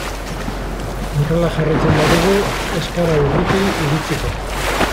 Horrela jarraitzen badugu ez gara urruti iritsiko.